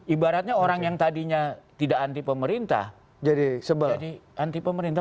ibaratnya orang yang tadinya tidak anti pemerintah jadi seperti anti pemerintah